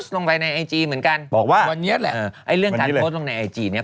แอปก็โพสต์ลงไปในไอจีเหมือนกันบอกว่าวันนี้แหละ